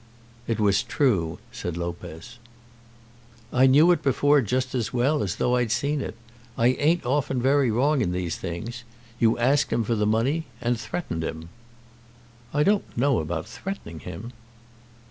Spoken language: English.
"It was true," said Lopez. "I knew it before just as well as though I had seen it. I ain't often very wrong in these things. You asked him for the money, and threatened him." "I don't know about threatening him."